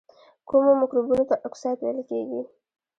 کومو مرکبونو ته اکساید ویل کیږي؟